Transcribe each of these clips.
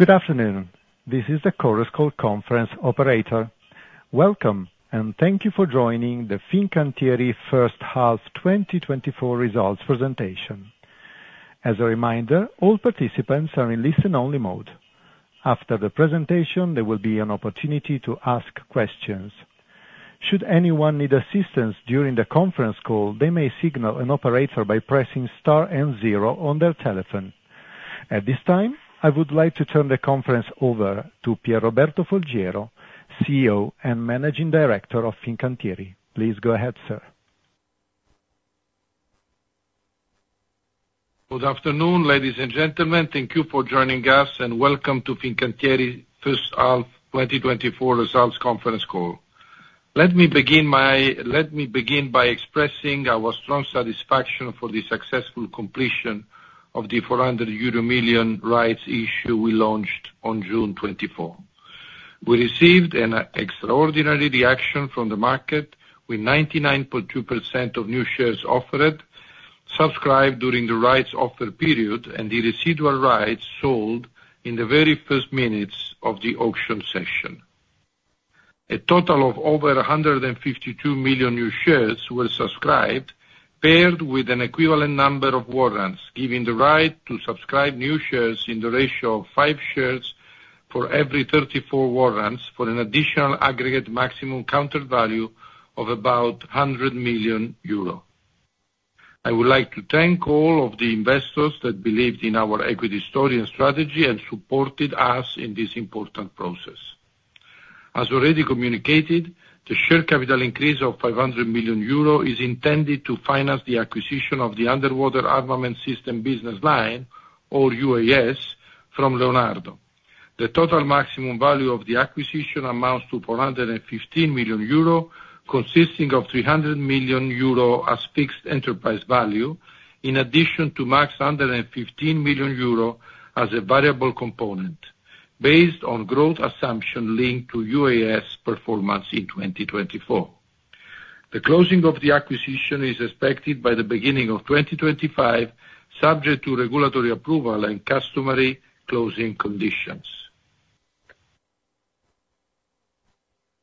Good afternoon, this is the Chorus Call Conference Operator. Welcome, and thank you for joining the Fincantieri First Half 2024 results presentation. As a reminder, all participants are in listen-only mode. After the presentation, there will be an opportunity to ask questions. Should anyone need assistance during the conference call, they may signal an operator by pressing Star and Zero on their telephone. At this time, I would like to turn the conference over to Pierroberto Folgiero, CEO and Managing Director of Fincantieri. Please go ahead, sir. Good afternoon, ladies and gentlemen. Thank you for joining us, and welcome to Fincantieri First Half 2024 results conference call. Let me begin by expressing our strong satisfaction for the successful completion of the 400 million euro rights issue we launched on June 24. We received an extraordinary reaction from the market, with 99.2% of new shares offered, subscribed during the rights offer period, and the residual rights sold in the very first minutes of the auction session. A total of over 152 million new shares were subscribed, paired with an equivalent number of warrants, giving the right to subscribe new shares in the ratio of five shares for every 34 warrants for an additional aggregate maximum countervalue of about 100 million euro. I would like to thank all of the investors that believed in our equity story and strategy and supported us in this important process. As already communicated, the share capital increase of 500 million euro is intended to finance the acquisition of the Underwater Armament System business line, or UAS, from Leonardo. The total maximum value of the acquisition amounts to 415 million euro, consisting of 300 million euro as fixed enterprise value, in addition to max 115 million euro as a variable component, based on growth assumption linked to UAS performance in 2024. The closing of the acquisition is expected by the beginning of 2025, subject to regulatory approval and customary closing conditions.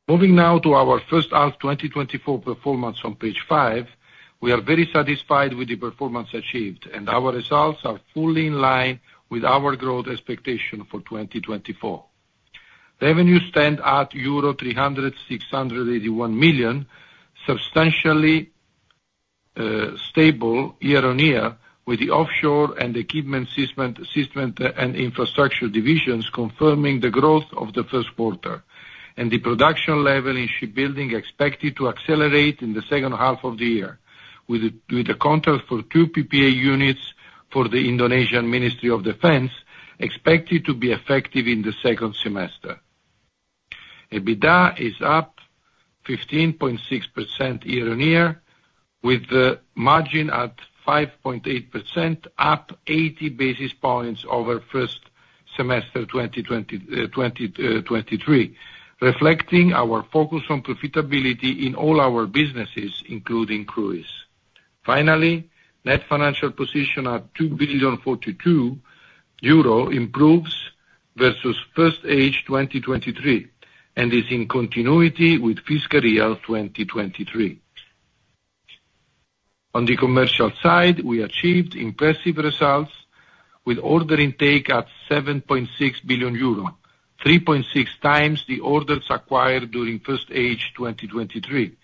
Moving now to our First Half 2024 performance on page 5, we are very satisfied with the performance achieved, and our results are fully in line with our growth expectation for 2024. Revenues stand at €300.681 million, substantially stable year-over-year, with the offshore and equipment system and infrastructure divisions confirming the growth of the first quarter, and the production level in shipbuilding expected to accelerate in the second half of the year, with a contract for two PPA units for the Indonesian Ministry of Defense expected to be effective in the second semester. EBITDA is up 15.6% year-over-year, with the margin at 5.8%, up 80 basis points over first semester 2023, reflecting our focus on profitability in all our businesses, including cruise. Finally, net financial position at €2.42 million improves versus first half 2023 and is in continuity with fiscal year 2023. On the commercial side, we achieved impressive results, with order intake at 7.6 billion euro, 3.6 times the orders acquired during first half 2023,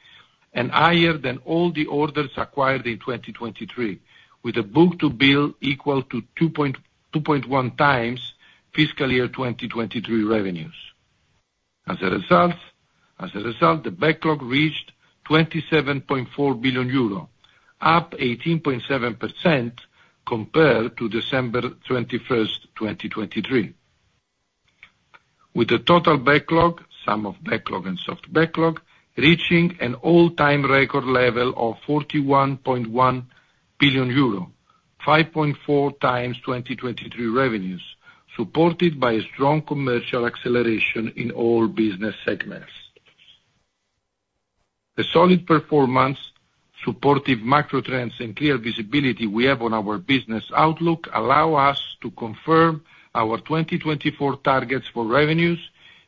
and higher than all the orders acquired in 2023, with a book-to-bill equal to 2.1 times fiscal year 2023 revenues. As a result, the backlog reached 27.4 billion euro, up 18.7% compared to December 31, 2023, with the total backlog, sum of backlog and soft backlog, reaching an all-time record level of 41.1 billion euro, 5.4 times 2023 revenues, supported by a strong commercial acceleration in all business segments. The solid performance, supportive macro trends, and clear visibility we have on our business outlook allow us to confirm our 2024 targets for revenues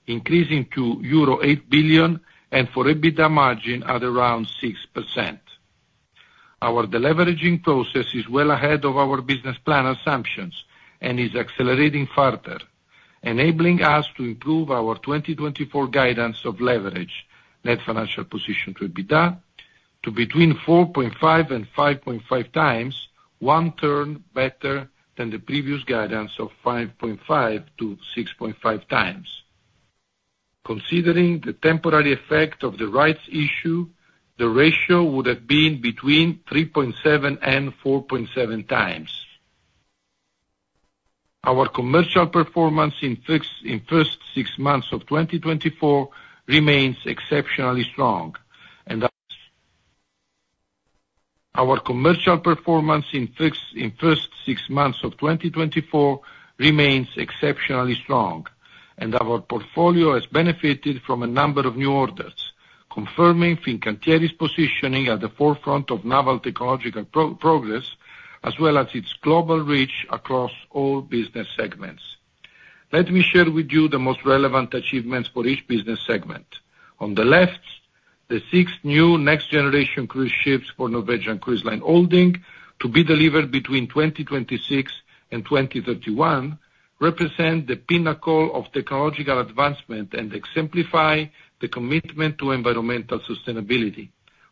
increasing to euro 8 billion and for EBITDA margin at around 6%. Our deleveraging process is well ahead of our business plan assumptions and is accelerating further, enabling us to improve our 2024 guidance of leverage, net financial position to EBITDA, to between 4.5 and 5.5 times, one turn better than the previous guidance of 5.5 to 6.5 times. Considering the temporary effect of the rights issue, the ratio would have been between 3.7 and 4.7 times. Our commercial performance in first six months of 2024 remains exceptionally strong, and our commercial performance in first six months of 2024 remains exceptionally strong, and our portfolio has benefited from a number of new orders, confirming Fincantieri's positioning at the forefront of naval technological progress, as well as its global reach across all business segments. Let me share with you the most relevant achievements for each business segment. On the left, the six new next-generation cruise ships for Norwegian Cruise Line Holdings to be delivered between 2026 and 2031 represent the pinnacle of technological advancement and exemplify the commitment to environmental sustainability.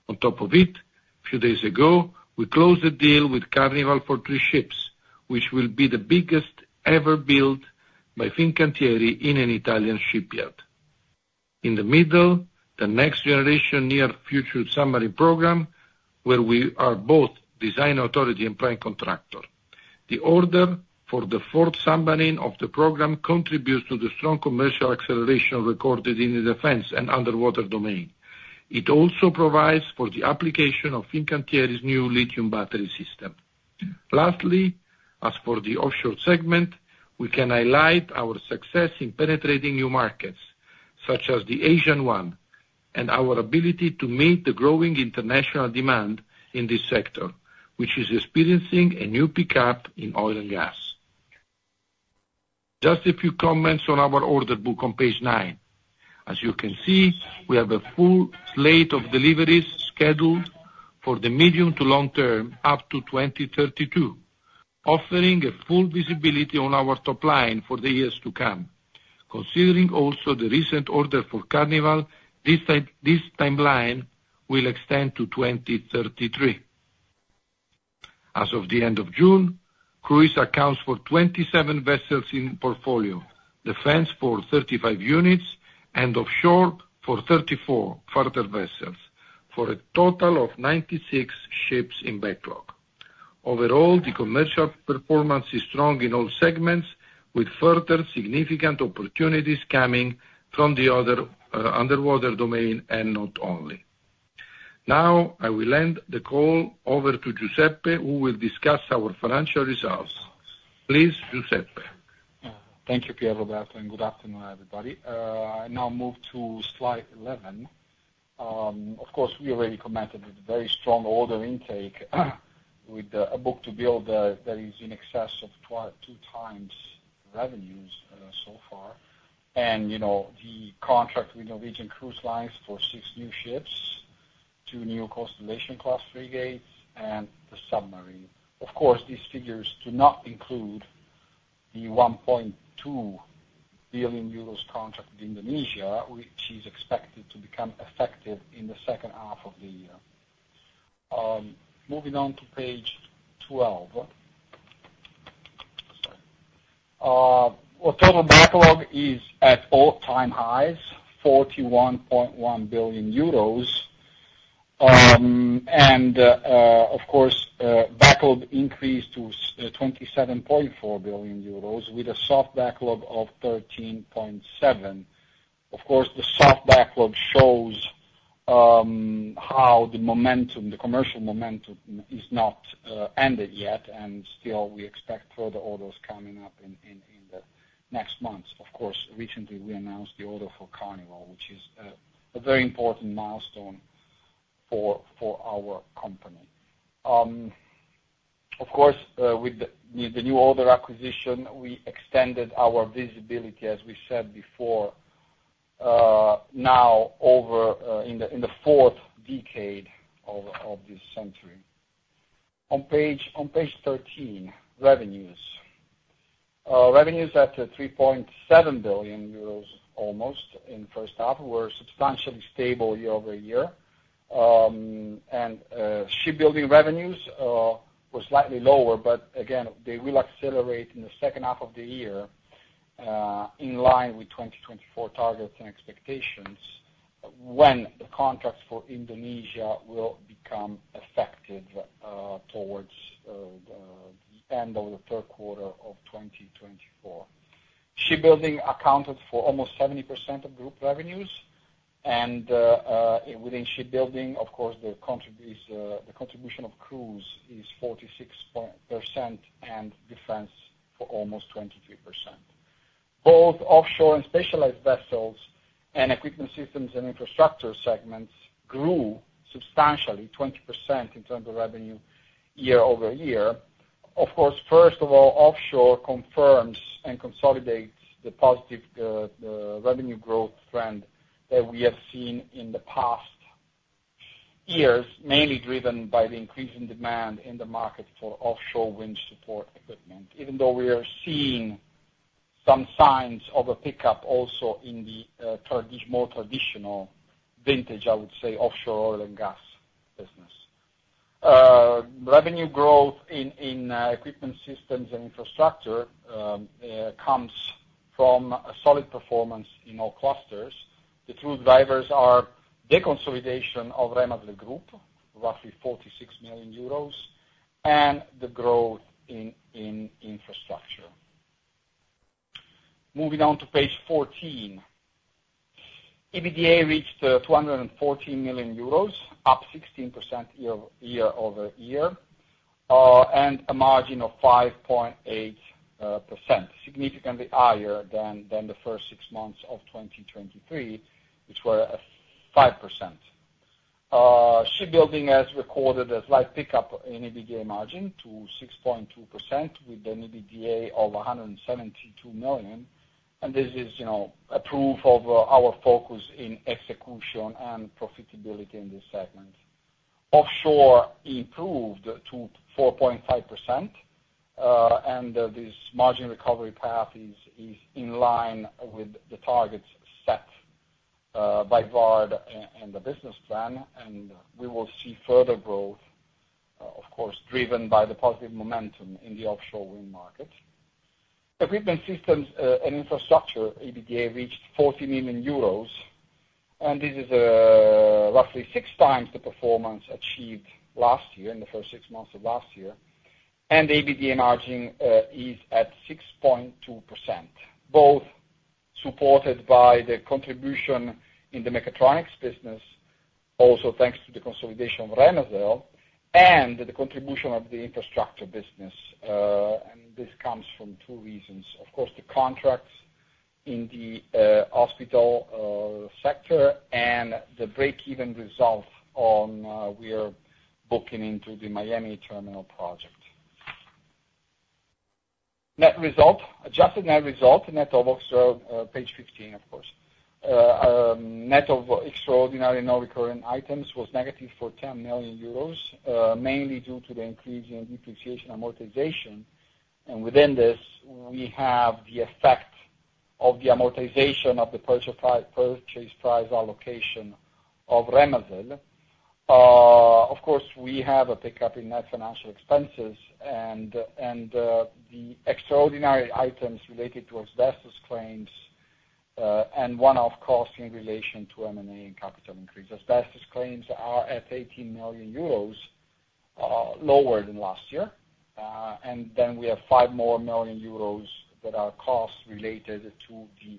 On top of it, a few days ago, we closed a deal with Carnival for three ships, which will be the biggest ever built by Fincantieri in an Italian shipyard. In the middle, the next-generation Near Future Submarine program, where we are both design authority and prime contractor. The order for the fourth submarine of the program contributes to the strong commercial acceleration recorded in the defense and underwater domain. It also provides for the application of Fincantieri's new lithium battery system. Lastly, as for the offshore segment, we can highlight our success in penetrating new markets, such as the Asian one, and our ability to meet the growing international demand in this sector, which is experiencing a new pickup in oil and gas. Just a few comments on our order book on page 9. As you can see, we have a full slate of deliveries scheduled for the medium to long term, up to 2032, offering a full visibility on our top line for the years to come. Considering also the recent order for Carnival, this timeline will extend to 2033. As of the end of June, cruise accounts for 27 vessels in portfolio, defense for 35 units, and offshore for 34 further vessels, for a total of 96 ships in backlog. Overall, the commercial performance is strong in all segments, with further significant opportunities coming from the other underwater domain and not only. Now, I will end the call over to Giuseppe, who will discuss our financial results. Please, Giuseppe. Thank you, Pierroberto. And good afternoon, everybody. I now move to slide 11. Of course, we already commented with very strong order intake, with a book-to-bill that is in excess of two times revenues so far, and the contract with Norwegian Cruise Lines for six new ships, two new Constellation-class frigates, and the submarine. Of course, these figures do not include the €1.2 billion contract with Indonesia, which is expected to become effective in the second half of the year. Moving on to page 12. Total backlog is at all-time highs, €41.1 billion, and, of course, backlog increased to €27.4 billion, with a soft backlog of €13.7 billion. Of course, the soft backlog shows how the commercial momentum is not ended yet, and still we expect further orders coming up in the next months. Of course, recently we announced the order for Carnival, which is a very important milestone for our company. Of course, with the new order acquisition, we extended our visibility, as we said before, now in the fourth decade of this century. On page 13, revenues. Revenues at 3.7 billion euros, almost, in first half, were substantially stable year-over-year, and shipbuilding revenues were slightly lower, but again, they will accelerate in the second half of the year, in line with 2024 targets and expectations, when the contracts for Indonesia will become effective towards the end of the third quarter of 2024. Shipbuilding accounted for almost 70% of group revenues, and within shipbuilding, of course, the contribution of cruise is 46% and defense for almost 23%. Both offshore and specialized vessels and equipment systems and infrastructure segments grew substantially, 20% in terms of revenue year-over-year. Of course, first of all, offshore confirms and consolidates the positive revenue growth trend that we have seen in the past years, mainly driven by the increase in demand in the market for offshore wind support equipment, even though we are seeing some signs of a pickup also in the more traditional vintage, I would say, offshore oil and gas business. Revenue growth in equipment systems and infrastructure comes from solid performance in all clusters. The true drivers are the consolidation of Remazel Group, roughly 46 million euros, and the growth in infrastructure. Moving on to page 14. EBITDA reached EUR 214 million, up 16% year-over-year, and a margin of 5.8%, significantly higher than the first six months of 2023, which were 5%. Shipbuilding has recorded a slight pickup in EBITDA margin to 6.2%, with an EBITDA of 172 million, and this is a proof of our focus in execution and profitability in this segment. Offshore improved to 4.5%, and this margin recovery path is in line with the targets set by VARD and the business plan, and we will see further growth, of course, driven by the positive momentum in the offshore wind market. Equipment systems and infrastructure, EBITDA reached 40 million euros, and this is roughly 6 times the performance achieved last year, in the first 6 months of last year, and EBITDA margin is at 6.2%, both supported by the contribution in the mechatronics business, also thanks to the consolidation of Remazel, and the contribution of the infrastructure business, and this comes from two reasons. Of course, the contracts in the hospital sector and the break-even result on work booking into the Miami terminal project. Net result, adjusted net result, net of extraordinary—page 15, of course. Net of extraordinary non-recurring items was negative for 10 million euros, mainly due to the increase in depreciation amortization, and within this, we have the effect of the amortization of the purchase price allocation of Remazel. Of course, we have a pickup in net financial expenses, and the extraordinary items related to asbestos claims and one-off costs in relation to M&A and capital increase. Asbestos claims are at 18 million euros, lower than last year, and then we have 5 million euros that are costs related to the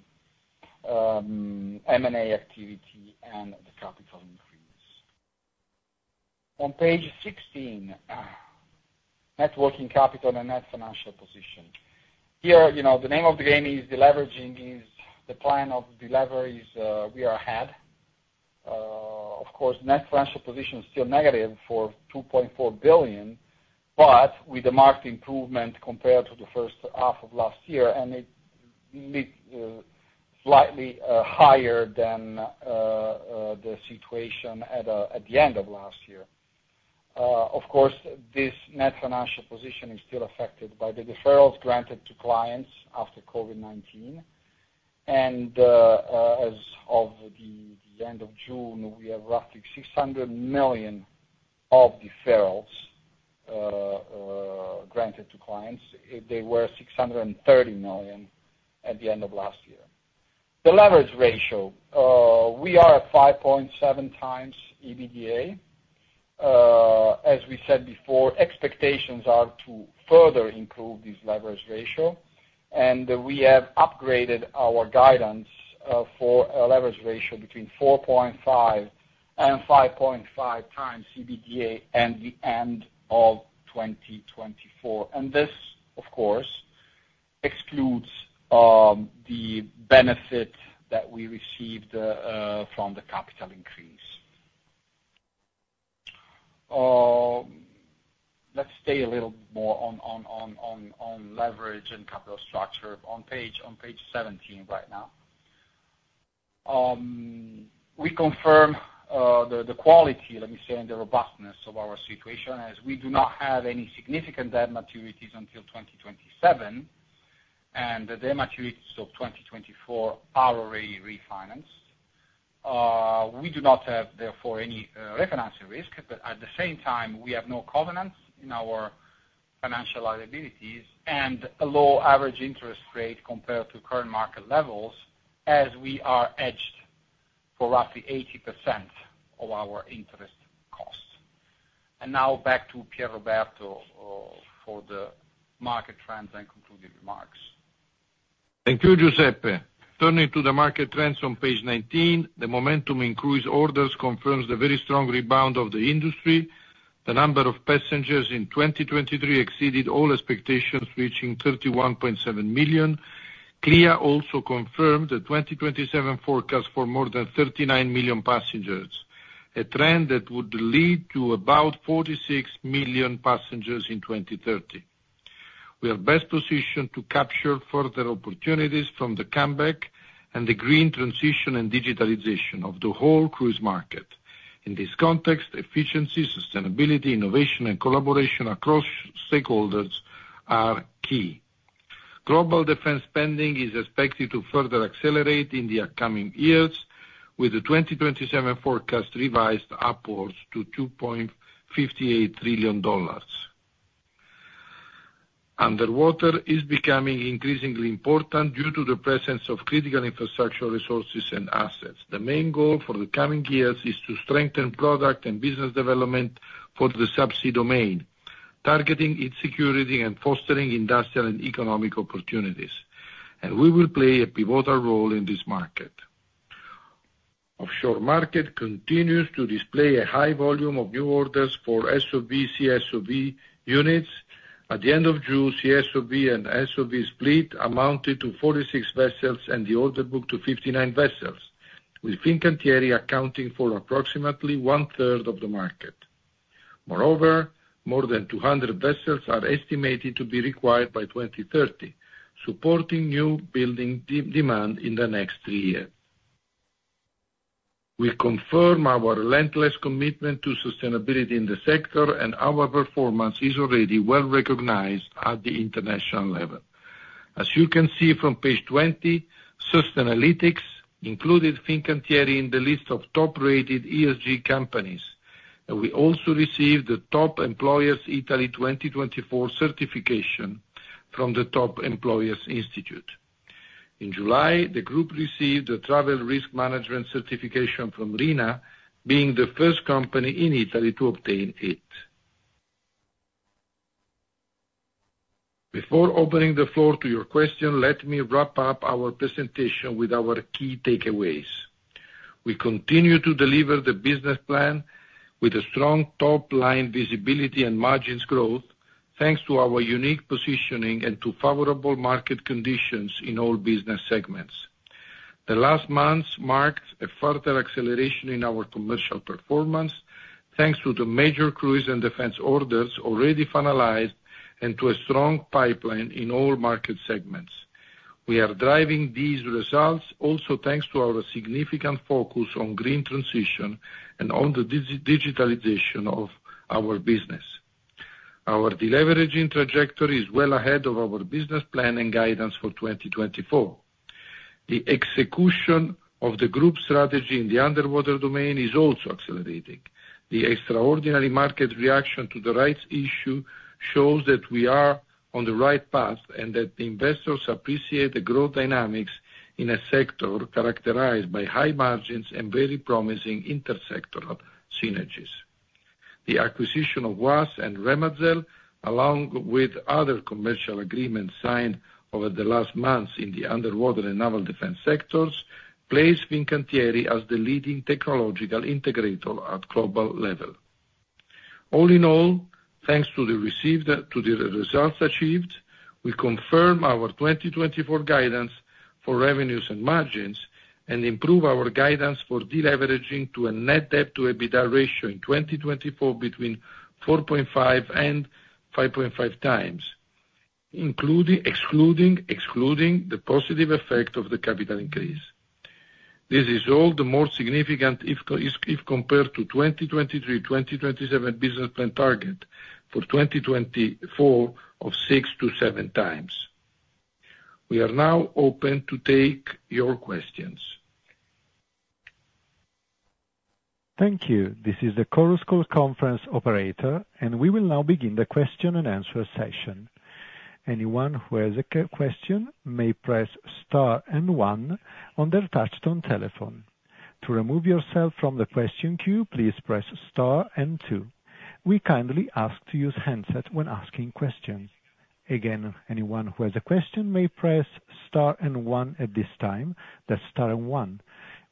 M&A activity and the capital increase. On page 16, net working capital and net financial position. Here, the name of the game is the leveraging. It's the plan of the leverage. We are ahead. Of course, net financial position is still negative 2.4 billion, but with the market improvement compared to the first half of last year, and it's slightly higher than the situation at the end of last year. Of course, this net financial position is still affected by the deferrals granted to clients after COVID-19, and as of the end of June, we have roughly 600 million of deferrals granted to clients. They were 630 million at the end of last year. The leverage ratio, we are at 5.7x EBITDA. As we said before, expectations are to further improve this leverage ratio, and we have upgraded our guidance for a leverage ratio between 4.5-5.5x EBITDA at the end of 2024, and this, of course, excludes the benefit that we received from the capital increase. Let's stay a little more on leverage and capital structure on page 17 right now. We confirm the quality, let me say, and the robustness of our situation as we do not have any significant debt maturities until 2027, and the debt maturities of 2024 are already refinanced. We do not have, therefore, any refinancing risk, but at the same time, we have no covenants in our financial liabilities and a low average interest rate compared to current market levels, as we are hedged for roughly 80% of our interest costs. Now back to Pierroberto for the market trends and concluding remarks. Thank you, Giuseppe. Turning to the market trends on page 19, the momentum in cruise orders confirms the very strong rebound of the industry. The number of passengers in 2023 exceeded all expectations, reaching 31.7 million. CLIA also confirmed the 2027 forecast for more than 39 million passengers, a trend that would lead to about 46 million passengers in 2030. We are best positioned to capture further opportunities from the comeback and the green transition and digitalization of the whole cruise market. In this context, efficiency, sustainability, innovation, and collaboration across stakeholders are key. Global defense spending is expected to further accelerate in the upcoming years, with the 2027 forecast revised upwards to $2.58 trillion. Underwater is becoming increasingly important due to the presence of critical infrastructure resources and assets. The main goal for the coming years is to strengthen product and business development for the subsea domain, targeting its security and fostering industrial and economic opportunities, and we will play a pivotal role in this market. Offshore market continues to display a high volume of new orders for SOV, CSOV units. At the end of June, CSOV and SOV split amounted to 46 vessels and the order book to 59 vessels, with Fincantieri accounting for approximately 1/3 of the market. Moreover, more than 200 vessels are estimated to be required by 2030, supporting new building demand in the next three years. We confirm our relentless commitment to sustainability in the sector, and our performance is already well recognized at the international level. As you can see from page 20, Sustainalytics included Fincantieri in the list of top-rated ESG companies, and we also received the Top Employers Italy 2024 certification from the Top Employers Institute. In July, the group received the Travel Risk Management certification from RINA, being the first company in Italy to obtain it. Before opening the floor to your question, let me wrap up our presentation with our key takeaways. We continue to deliver the business plan with a strong top-line visibility and margins growth, thanks to our unique positioning and to favorable market conditions in all business segments. The last months marked a further acceleration in our commercial performance, thanks to the major cruise and defense orders already finalized and to a strong pipeline in all market segments. We are driving these results also thanks to our significant focus on green transition and on the digitalization of our business. Our delivery trajectory is well ahead of our business plan and guidance for 2024. The execution of the group strategy in the underwater domain is also accelerating. The extraordinary market reaction to the rights issue shows that we are on the right path and that investors appreciate the growth dynamics in a sector characterized by high margins and very promising intersectoral synergies. The acquisition of UAS and Remazel, along with other commercial agreements signed over the last months in the underwater and naval defense sectors, places Fincantieri as the leading technological integrator at global level. All in all, thanks to the results achieved, we confirm our 2024 guidance for revenues and margins and improve our guidance for deleveraging to a net debt-to-EBITDA ratio in 2024 between 4.5-5.5 times, excluding the positive effect of the capital increase. This is all the more significant if compared to the 2023-2027 business plan target for 2024 of 6-7 times. We are now open to take your questions. Thank you. This is the Chorus Call Conference Operator, and we will now begin the question and answer session. Anyone who has a question may press Star and One on their touch-tone telephone. To remove yourself from the question queue, please press Star and Two. We kindly ask to use handsets when asking questions. Again, anyone who has a question may press Star and One at this time. That's Star and One.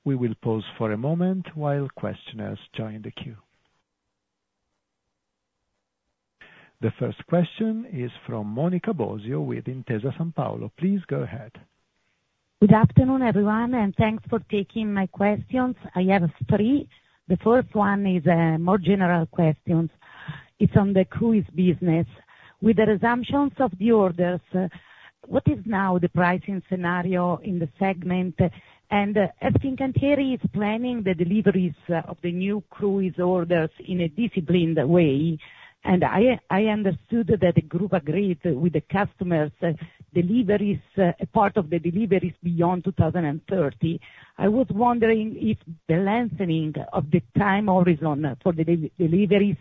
We will pause for a moment while questioners join the queue. The first question is from Monica Bosio with Intesa Sanpaolo. Please go ahead. Good afternoon, everyone, and thanks for taking my questions. I have three. The first one is a more general question. It's on the cruise business. With the resumption of the orders, what is now the pricing scenario in the segment? And as Fincantieri is planning the deliveries of the new cruise orders in a disciplined way, and I understood that the group agreed with the customers' deliveries, part of the deliveries beyond 2030. I was wondering if the lengthening of the time horizon for the deliveries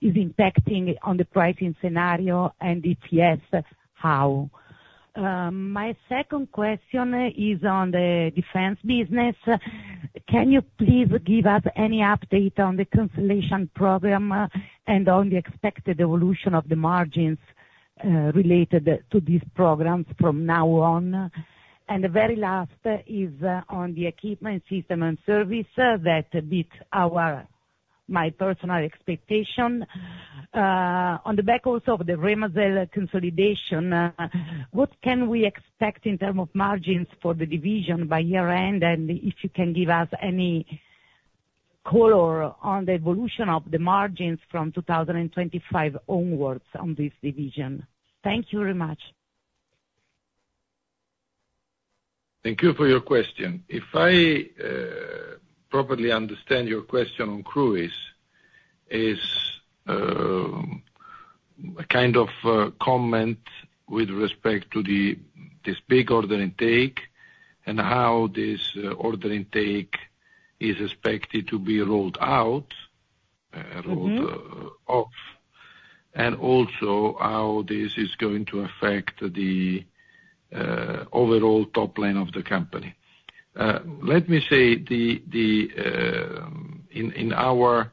is impacting on the pricing scenario, and if yes, how? My second question is on the defense business. Can you please give us any update on the Constellation program and on the expected evolution of the margins related to these programs from now on? And the very last is on the equipment, systems and services that beat my personal expectation. On the back also of the Remazel consolidation, what can we expect in terms of margins for the division by year-end, and if you can give us any color on the evolution of the margins from 2025 onwards on this division? Thank you very much. Thank you for your question. If I properly understand your question on cruise, it's a kind of comment with respect to this big order intake and how this order intake is expected to be rolled out, rolled off, and also how this is going to affect the overall top line of the company. Let me say, in our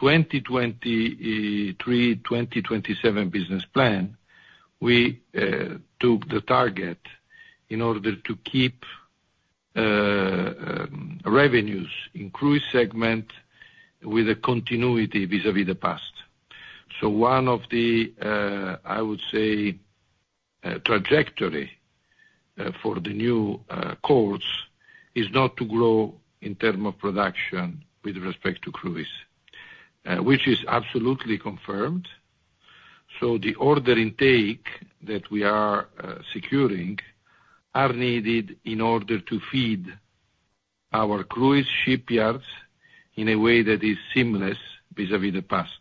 2023-2027 business plan, we took the target in order to keep revenues in cruise segment with a continuity vis-à-vis the past. So one of the, I would say, trajectories for the new course is not to grow in terms of production with respect to cruise, which is absolutely confirmed. So the order intake that we are securing is needed in order to feed our cruise shipyards in a way that is seamless vis-à-vis the past.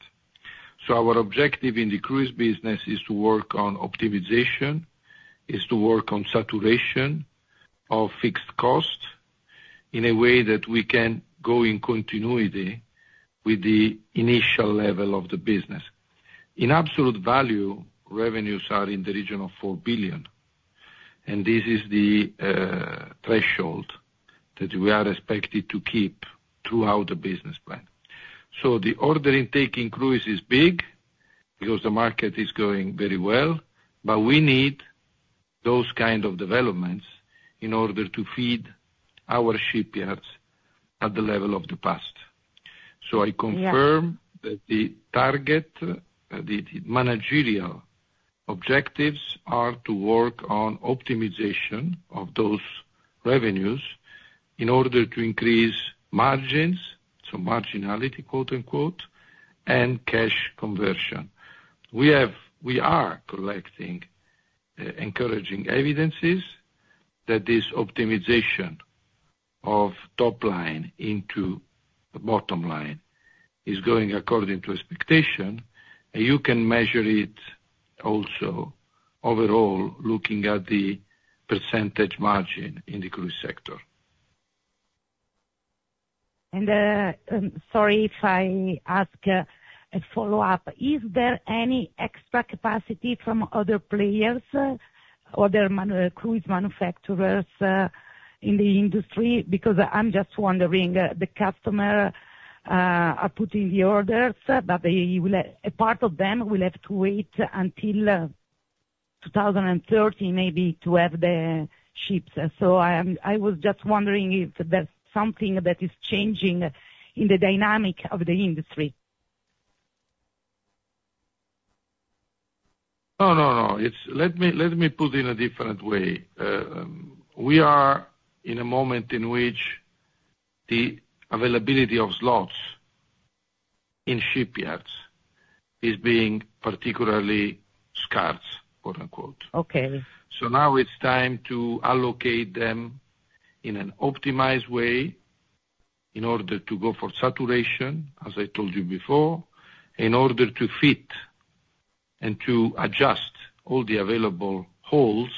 So our objective in the cruise business is to work on optimization, is to work on saturation of fixed costs in a way that we can go in continuity with the initial level of the business. In absolute value, revenues are in the region of 4 billion, and this is the threshold that we are expected to keep throughout the business plan. So the order intake in cruise is big because the market is going very well, but we need those kinds of developments in order to feed our shipyards at the level of the past. So I confirm that the target, the managerial objectives are to work on optimization of those revenues in order to increase margins, so marginality, quote unquote, and cash conversion. We are collecting encouraging evidences that this optimization of top line into bottom line is going according to expectation, and you can measure it also overall looking at the percentage margin in the cruise sector. Sorry if I ask a follow-up, is there any extra capacity from other players, other cruise manufacturers in the industry? Because I'm just wondering, the customers are putting the orders, but a part of them will have to wait until 2030 maybe to have the ships. I was just wondering if there's something that is changing in the dynamic of the industry. No, no, no. Let me put it in a different way. We are in a moment in which the availability of slots in shipyards is being particularly scarce, quote unquote. Okay. So now it's time to allocate them in an optimized way in order to go for saturation, as I told you before, in order to fit and to adjust all the available holes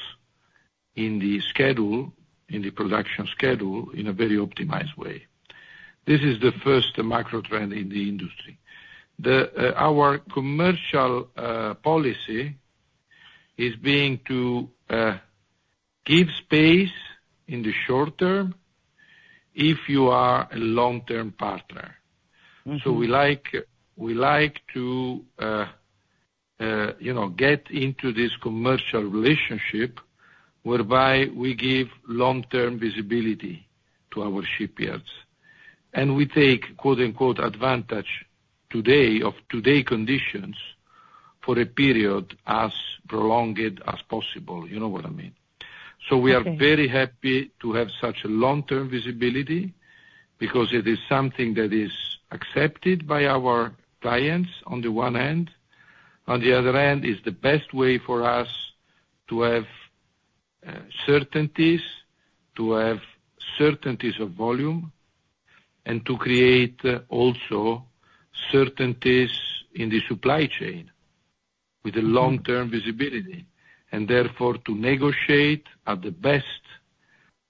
in the schedule, in the production schedule, in a very optimized way. This is the first macro trend in the industry. Our commercial policy is being to give space in the short term if you are a long-term partner. So we like to get into this commercial relationship whereby we give long-term visibility to our shipyards. And we take, quote unquote, advantage today of today's conditions for a period as prolonged as possible, you know what I mean? So we are very happy to have such a long-term visibility because it is something that is accepted by our clients on the one hand. On the other hand, it is the best way for us to have certainties, to have certainties of volume, and to create also certainties in the supply chain with a long-term visibility, and therefore to negotiate at the best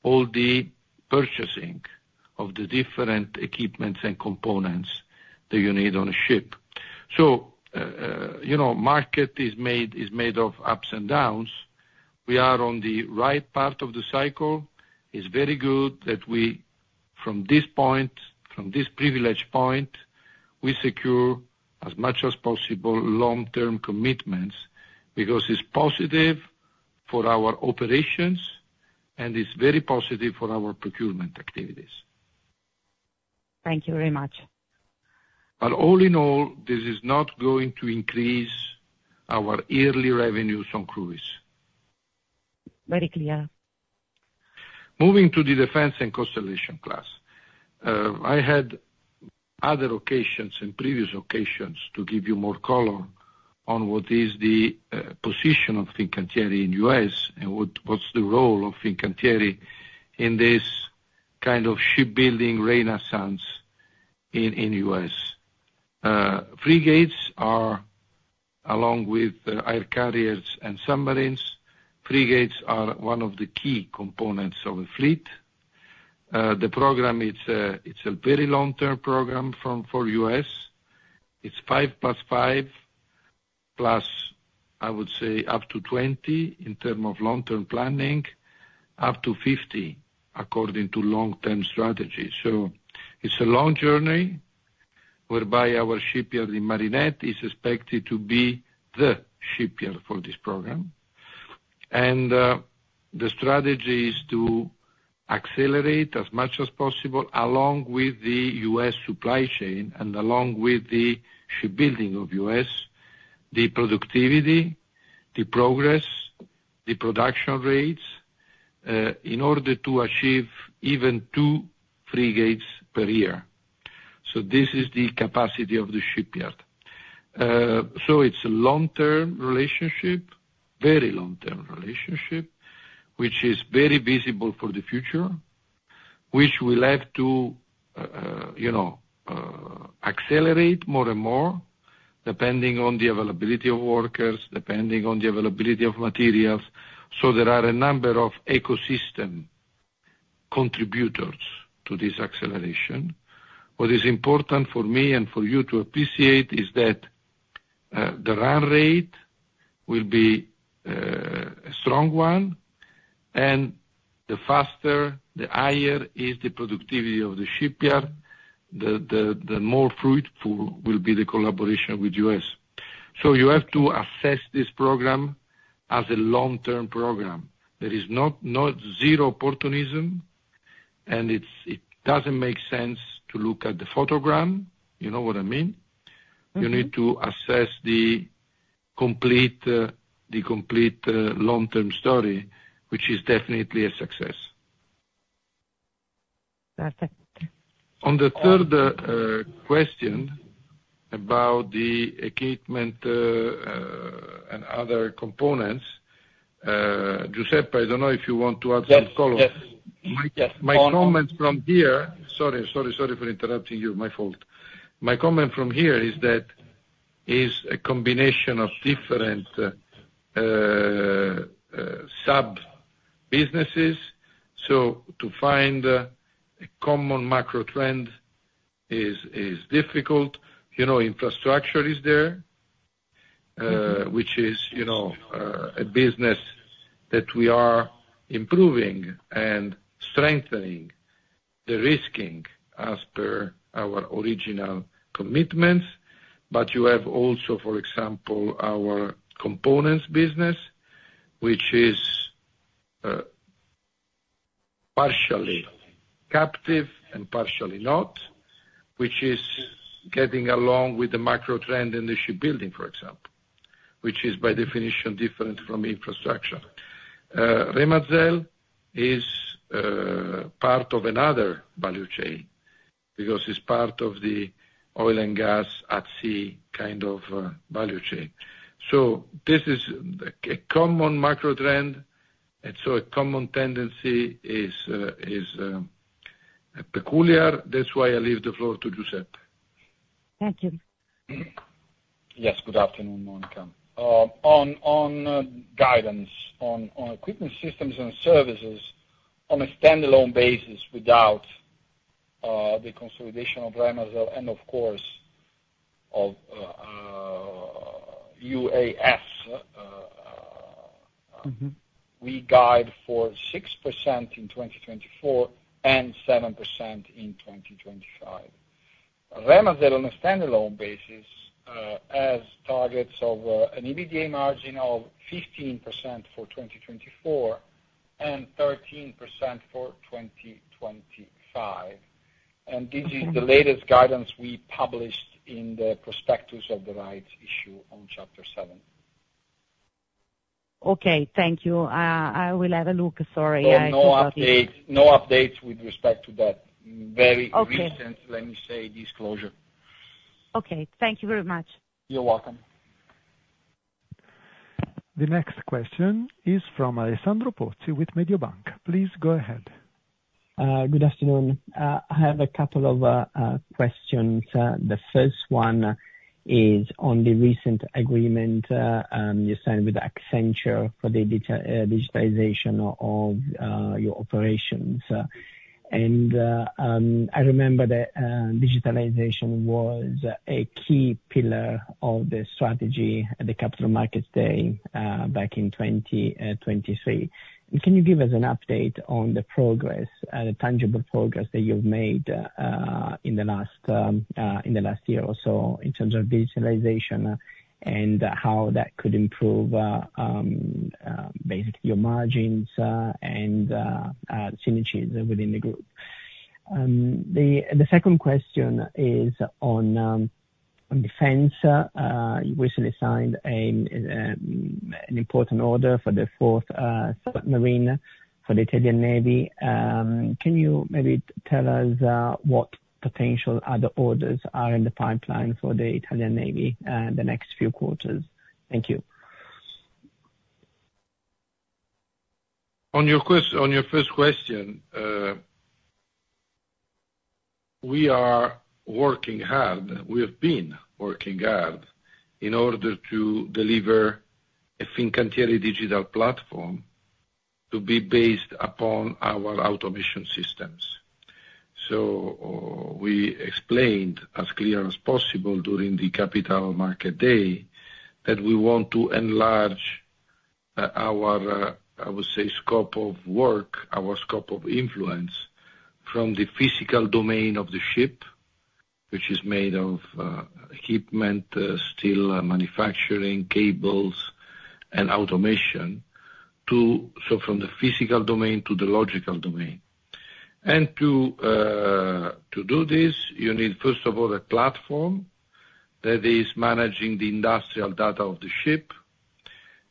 all the purchasing of the different equipments and components that you need on a ship. So market is made of ups and downs. We are on the right part of the cycle. It's very good that we, from this point, from this privileged point, we secure as much as possible long-term commitments because it's positive for our operations and it's very positive for our procurement activities. Thank you very much. But all in all, this is not going to increase our yearly revenues on cruise. Very clear. Moving to the defense and Constelation-class. I had other occasions and previous occasions to give you more color on what is the position of Fincantieri in the U.S. and what's the role of Fincantieri in this kind of shipbuilding renaissance in the U.S. Frigates are, along with aircraft carriers and submarines, frigates are one of the key components of a fleet. The program, it's a very long-term program for the U.S. It's 5 + 5, plus, I would say, up to 20 in terms of long-term planning, up to 50 according to long-term strategy. So it's a long journey whereby our shipyard, the Marinette, is expected to be the shipyard for this program. The strategy is to accelerate as much as possible along with the U.S. supply chain and along with the shipbuilding of the U.S., the productivity, the progress, the production rates in order to achieve even 2 frigates per year. So this is the capacity of the shipyard. So it's a long-term relationship, very long-term relationship, which is very visible for the future, which we'll have to accelerate more and more depending on the availability of workers, depending on the availability of materials. So there are a number of ecosystem contributors to this acceleration. What is important for me and for you to appreciate is that the run rate will be a strong one, and the faster, the higher is the productivity of the shipyard, the more fruitful will be the collaboration with the U.S. So you have to assess this program as a long-term program. There is not zero opportunism, and it doesn't make sense to look at the photogram, you know what I mean? You need to assess the complete long-term story, which is definitely a success. Perfect. On the third question about the equipment and other components, Giuseppe, I don't know if you want to add some color. Yes. Yes. My comment from here—sorry, sorry, sorry for interrupting you. My fault. My comment from here is that it's a combination of different sub-businesses. So to find a common macro trend is difficult. Infrastructure is there, which is a business that we are improving and strengthening, the risking as per our original commitments. But you have also, for example, our components business, which is partially captive and partially not, which is getting along with the macro trend in the shipbuilding, for example, which is by definition different from infrastructure. Remazel is part of another value chain because it's part of the oil and gas at sea kind of value chain. So this is a common macro trend, and so a common tendency is peculiar. That's why I leave the floor to Giuseppe. Thank you. Yes, good afternoon, Monica. On guidance, on equipment systems and services on a standalone basis without the consolidation of Remazel and, of course, of UAS, we guide for 6% in 2024 and 7% in 2025. Remazel on a standalone basis has targets of an EBITDA margin of 15% for 2024 and 13% for 2025. This is the latest guidance we published in the prospectus of the rights issue on Chapter 7. Okay. Thank you. I will have a look. Sorry. No updates with respect to that very recent, let me say, disclosure. Okay. Thank you very much. You're welcome. The next question is from Alessandro Pozzi with Mediobanca. Please go ahead. Good afternoon. I have a couple of questions. The first one is on the recent agreement you signed with Accenture for the digitalization of your operations. I remember that digitalization was a key pillar of the strategy at the capital markets day back in 2023. Can you give us an update on the progress, the tangible progress that you've made in the last year or so in terms of digitalization and how that could improve basically your margins and synergies within the group? The second question is on defense. You recently signed an important order for the fourth submarine for the Italian Navy. Can you maybe tell us what potential other orders are in the pipeline for the Italian Navy in the next few quarters? Thank you. On your first question, we are working hard. We have been working hard in order to deliver a Fincantieri digital platform to be based upon our automation systems. So we explained as clear as possible during the capital market day that we want to enlarge our, I would say, scope of work, our scope of influence from the physical domain of the ship, which is made of equipment, steel manufacturing, cables, and automation, so from the physical domain to the logical domain. And to do this, you need, first of all, a platform that is managing the industrial data of the ship.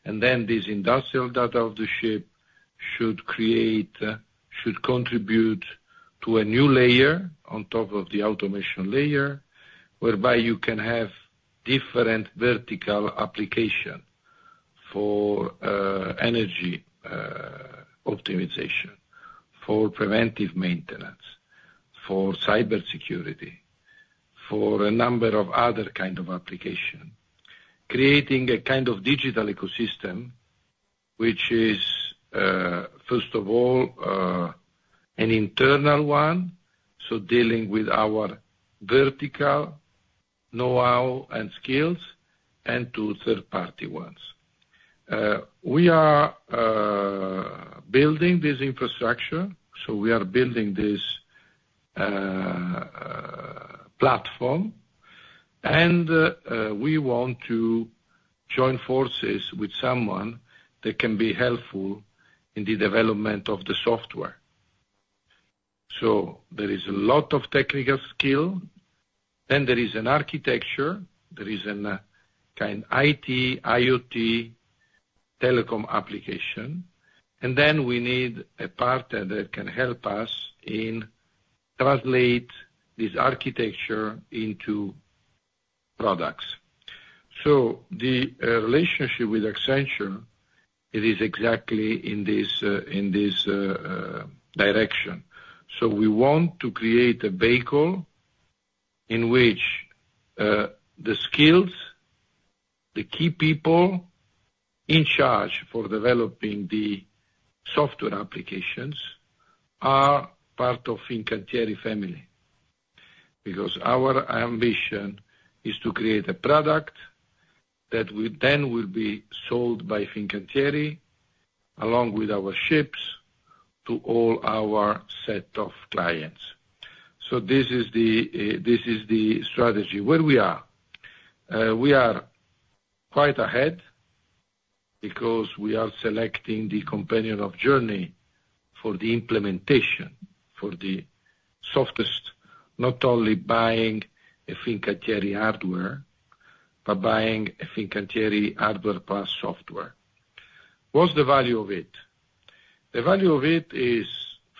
Then this industrial data of the ship should contribute to a new layer on top of the automation layer whereby you can have different vertical applications for energy optimization, for preventive maintenance, for cybersecurity, for a number of other kinds of applications, creating a kind of digital ecosystem which is, first of all, an internal one, so dealing with our vertical know-how and skills, and to third-party ones. We are building this infrastructure. So we are building this platform, and we want to join forces with someone that can be helpful in the development of the software. So there is a lot of technical skill. Then there is an architecture. There is an IT, IoT, telecom application. And then we need a partner that can help us translate this architecture into products. So the relationship with Accenture, it is exactly in this direction. So we want to create a vehicle in which the skills, the key people in charge for developing the software applications are part of the Fincantieri family because our ambition is to create a product that then will be sold by Fincantieri along with our ships to all our set of clients. So this is the strategy where we are. We are quite ahead because we are selecting the companion of journey for the implementation for the software. Just not only buying a Fincantieri hardware, but buying a Fincantieri hardware plus software. What's the value of it? The value of it is,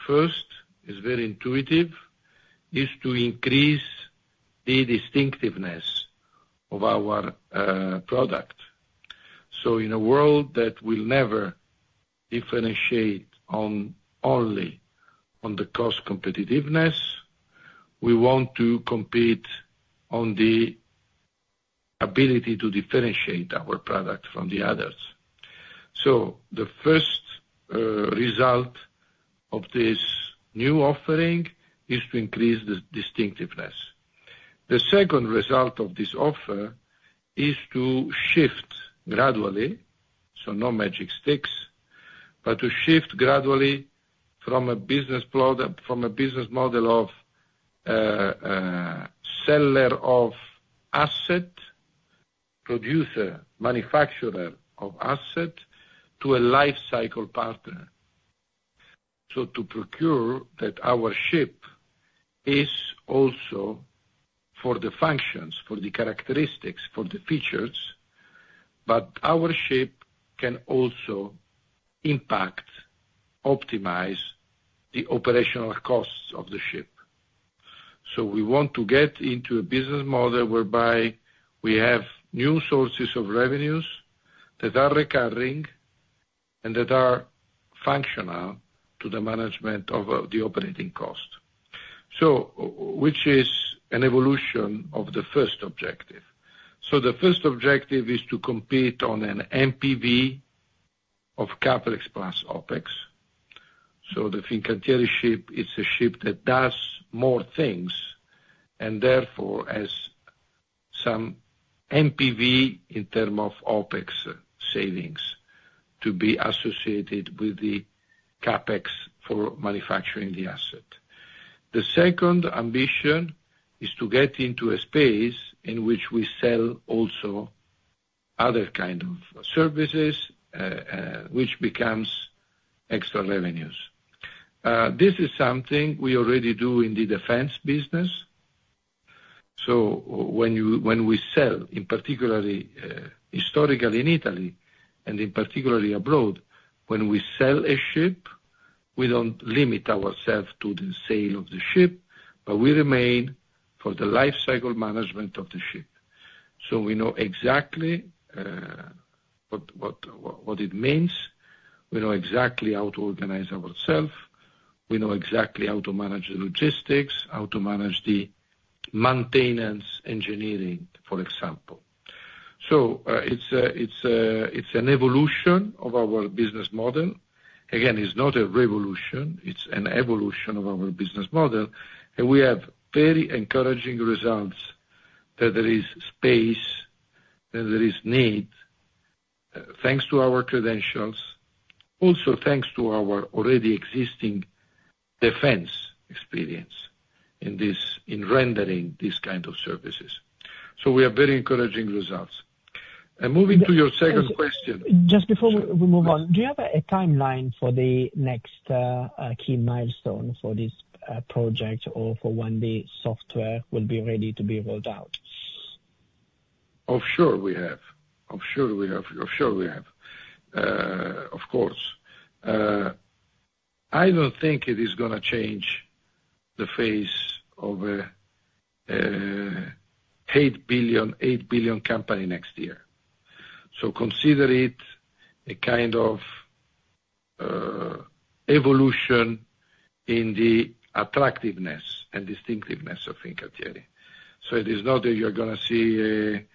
first, it's very intuitive, is to increase the distinctiveness of our product. So in a world that will never differentiate only on the cost competitiveness, we want to compete on the ability to differentiate our product from the others. So the first result of this new offering is to increase the distinctiveness. The second result of this offer is to shift gradually, so no magic sticks, but to shift gradually from a business model of seller of asset, producer, manufacturer of asset to a life cycle partner. So to procure that our ship is also for the functions, for the characteristics, for the features, but our ship can also impact, optimize the operational costs of the ship. So we want to get into a business model whereby we have new sources of revenues that are recurring and that are functional to the management of the operating cost, which is an evolution of the first objective. So the first objective is to compete on an NPV of CapEx plus OpEX. So the Fincantieri ship, it's a ship that does more things and therefore has some NPV in terms of OpEX savings to be associated with the CapEx for manufacturing the asset. The second ambition is to get into a space in which we sell also other kinds of services, which becomes extra revenues. This is something we already do in the defense business. So when we sell, in particular, historically in Italy and, in particular, abroad, when we sell a ship, we don't limit ourselves to the sale of the ship, but we remain for the life cycle management of the ship. So we know exactly what it means. We know exactly how to organize ourselves. We know exactly how to manage the logistics, how to manage the maintenance engineering, for example. So it's an evolution of our business model. Again, it's not a revolution. It's an evolution of our business model. We have very encouraging results that there is space, that there is need thanks to our credentials, also thanks to our already existing defense experience in rendering these kinds of services. We have very encouraging results. Moving to your second question. Just before we move on, do you have a timeline for the next key milestone for this project or for when the software will be ready to be rolled out? Of course. I don't think it is going to change the face of an 8 billion company next year. So consider it a kind of evolution in the attractiveness and distinctiveness of Fincantieri. So it is not that you're going to see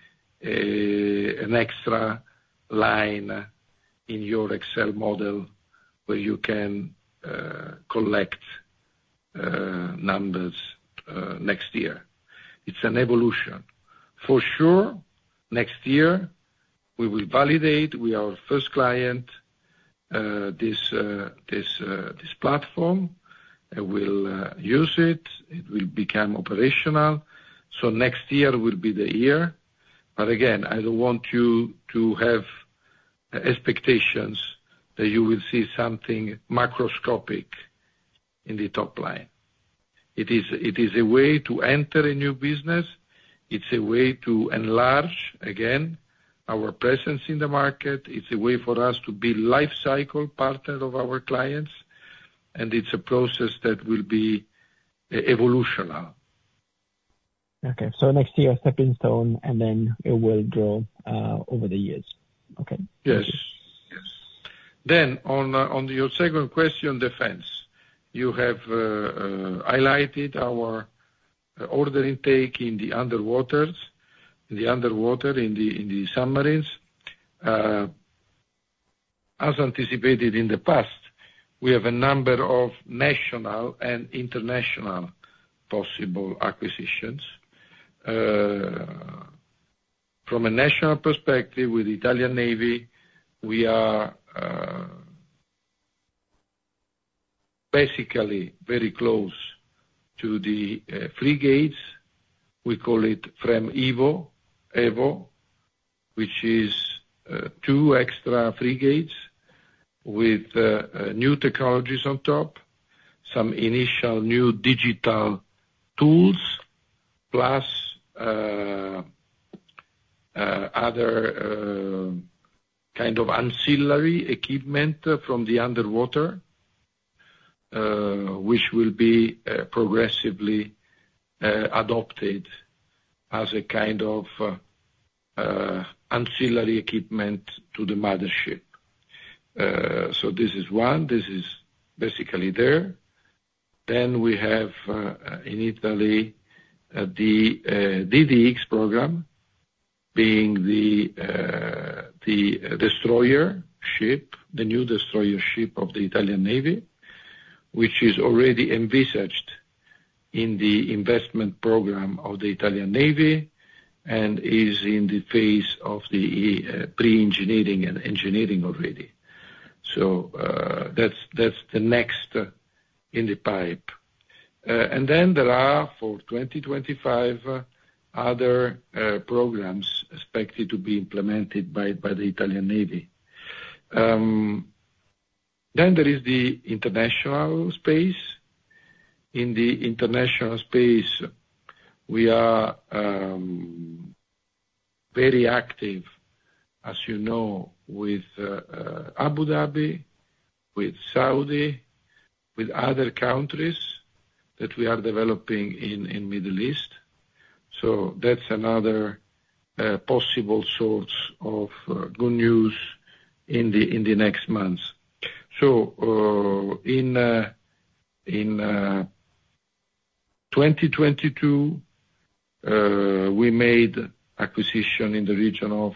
an extra line in your Excel model where you can collect numbers next year. It's an evolution. For sure, next year, we will validate with our first client this platform and we'll use it. It will become operational. So next year will be the year. But again, I don't want you to have expectations that you will see something macroscopic in the top line. It is a way to enter a new business. It's a way to enlarge, again, our presence in the market. It's a way for us to be life cycle partner of our clients. It's a process that will be evolutionary. Okay. So next year, stepping stone, and then it will grow over the years. Okay. Yes. Then on your second question, defense, you have highlighted our order intake in the underwater, in the submarines. As anticipated in the past, we have a number of national and international possible acquisitions. From a national perspective with the Italian Navy, we are basically very close to the frigates. We call it FREMM Evo, which is two extra frigates with new technologies on top, some initial new digital tools, plus other kinds of ancillary equipment from the underwater, which will be progressively adopted as a kind of ancillary equipment to the mothership. So this is one. This is basically there. Then we have in Italy the DDX program being the destroyer ship, the new destroyer ship of the Italian Navy, which is already envisaged in the investment program of the Italian Navy and is in the phase of the pre-engineering and engineering already. So that's the next in the pipe. And then there are for 2025 other programs expected to be implemented by the Italian Navy. Then there is the international space. In the international space, we are very active, as you know, with Abu Dhabi, with Saudi, with other countries that we are developing in the Middle East. So that's another possible source of good news in the next months. So in 2022, we made acquisition in the region of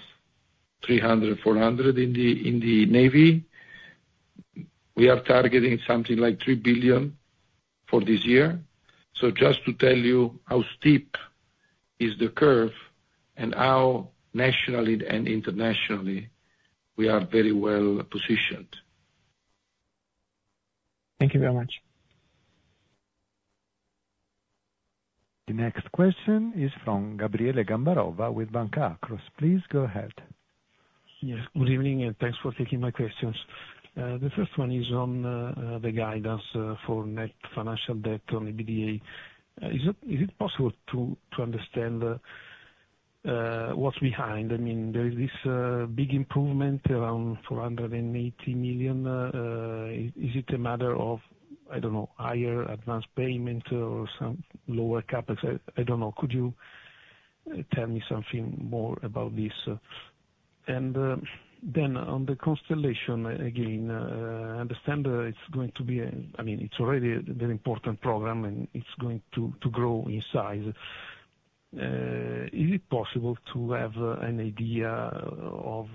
300 million-400 million in the Navy. We are targeting something like 3 billion for this year. So just to tell you how steep is the curve and how nationally and internationally we are very well positioned. Thank you very much. The next question is from Gabriele Gambarova with Banca Akros. Please go ahead. Yes. Good evening and thanks for taking my questions. The first one is on the guidance for net financial debt on EBITDA. Is it possible to understand what's behind? I mean, there is this big improvement around 480 million. Is it a matter of, I don't know, higher advance payment or some lower CapEx? I don't know. Could you tell me something more about this? And then on the Constellation, again, I understand it's going to be a, I mean, it's already a very important program and it's going to grow in size. Is it possible to have an idea of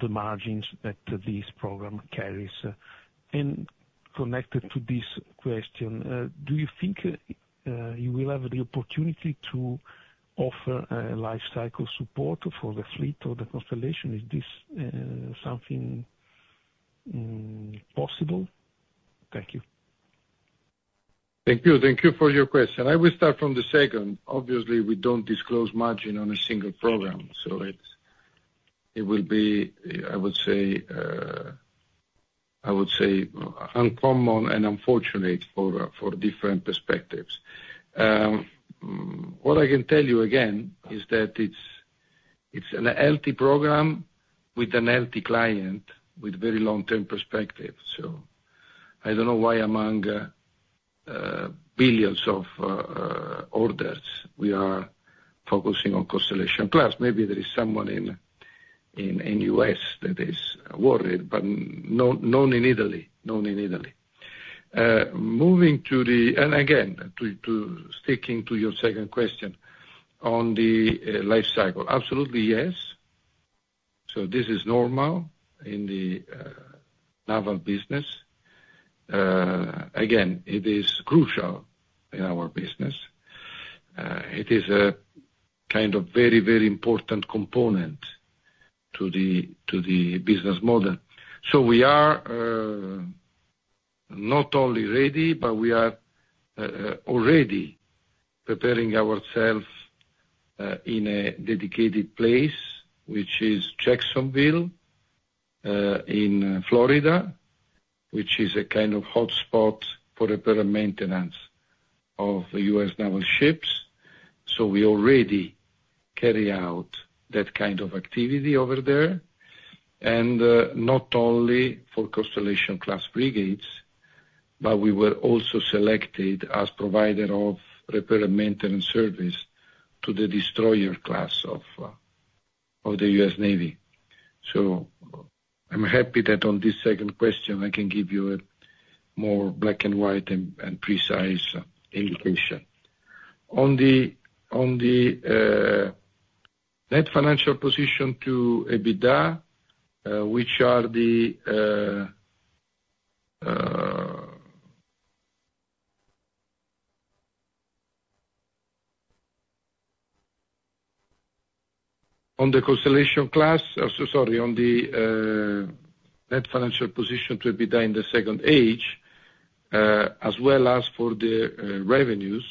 the margins that this program carries? And connected to this question, do you think you will have the opportunity to offer a life cycle support for the fleet or the Constellation? Is this something possible? Thank you. Thank you. Thank you for your question. I will start from the second. Obviously, we don't disclose margin on a single program. So it will be, I would say, uncommon and unfortunate for different perspectives. What I can tell you again is that it's an healthy program with an healthy client with very long-term perspective. So I don't know why among billions of orders, we are focusing on Constellation class. Maybe there is someone in the U.S. that is worried, but none in Italy. None in Italy. Moving to the, and again, to sticking to your second question on the life cycle. Absolutely, yes. So this is normal in the naval business. Again, it is crucial in our business. It is a kind of very, very important component to the business model. So we are not only ready, but we are already preparing ourselves in a dedicated place, which is Jacksonville in Florida, which is a kind of hotspot for repair and maintenance of U.S. naval ships. So we already carry out that kind of activity over there. And not only for Constellation-class frigates, but we were also selected as provider of repair and maintenance service to the destroyer class of the U.S. Navy. So I'm happy that on this second question, I can give you a more black and white and precise indication. On the net financial position to EBITDA, sorry, on the net financial position to EBITDA in the second half, as well as for the revenues,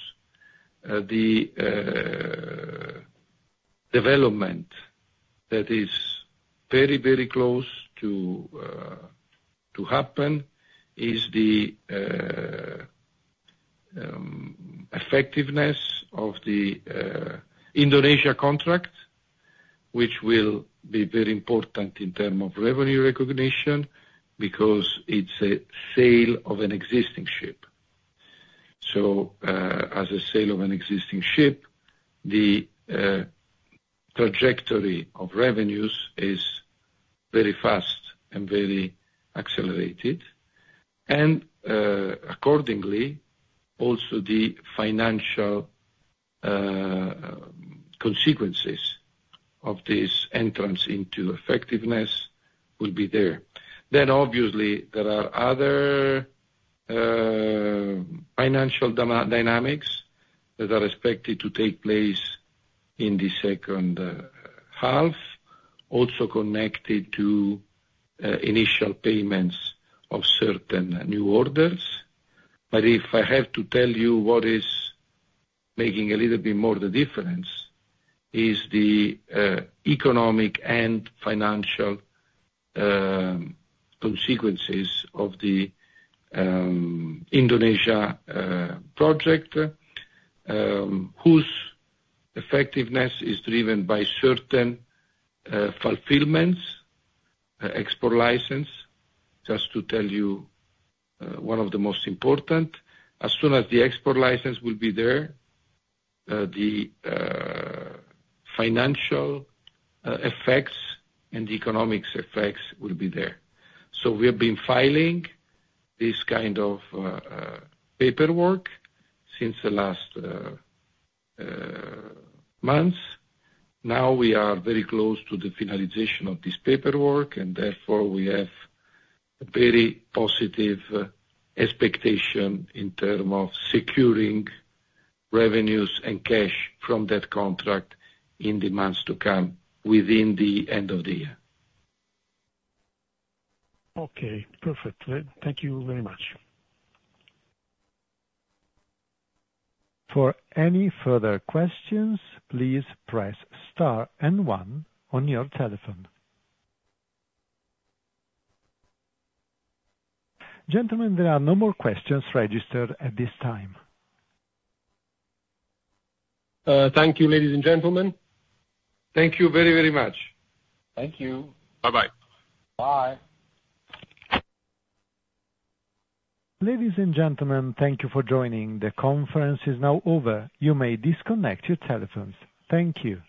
the development that is very, very close to happen is the effectiveness of the Indonesia contract, which will be very important in terms of revenue recognition because it's a sale of an existing ship. So as a sale of an existing ship, the trajectory of revenues is very fast and very accelerated. And accordingly, also the financial consequences of this entrance into effectiveness will be there. Then obviously, there are other financial dynamics that are expected to take place in the second half, also connected to initial payments of certain new orders. But if I have to tell you what is making a little bit more the difference is the economic and financial consequences of the Indonesia project, whose effectiveness is driven by certain fulfillments, export license. Just to tell you one of the most important, as soon as the export license will be there, the financial effects and the economic effects will be there. So we have been filing this kind of paperwork since the last months. Now we are very close to the finalization of this paperwork, and therefore we have a very positive expectation in terms of securing revenues and cash from that contract in the months to come within the end of the year. Okay. Perfect. Thank you very much. For any further questions, please press star and one on your telephone. Gentlemen, there are no more questions registered at this time. Thank you, ladies and gentlemen. Thank you very, very much. Thank you. Bye-bye. Bye. Ladies and gentlemen, thank you for joining. The conference is now over. You may disconnect your telephones. Thank you.